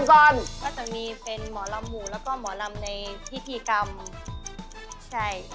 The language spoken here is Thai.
อ้าว๒ดอกเหมือนเดิมหมายเลขสามครับหมอลำมีกี่เพศ